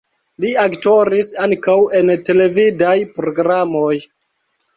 Li aktoris ankaŭ en televidaj programoj.